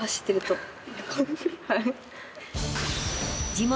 ［地元］